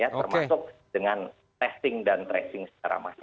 termasuk dengan testing dan tracing secara masif